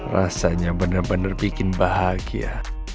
rasanya bener bener bikin bahagia